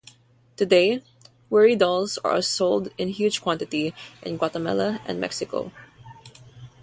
Today, worry dolls are sold in huge quantity in Guatemala and Mexico.